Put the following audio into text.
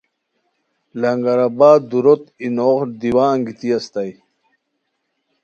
لنگر آباد دُورو ت ا ی نوغ دیوا انگیتی استائے